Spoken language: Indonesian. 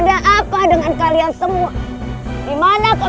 apa kalian semua tahu